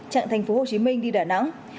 trạng tp hcm đi đà nẵng